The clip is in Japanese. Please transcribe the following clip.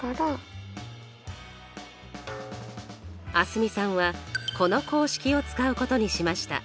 蒼澄さんはこの公式を使うことにしました。